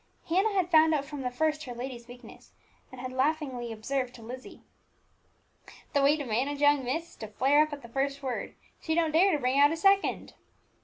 Hannah had found out from the first her lady's weakness, and had laughingly observed to Lizzy, "The way to manage young miss is to flare up at the first word; she don't dare to bring out a second."